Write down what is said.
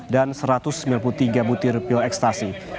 dan satu ratus sembilan puluh tiga butir pil ekstasi